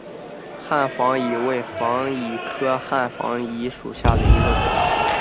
汉防己为防己科汉防己属下的一个种。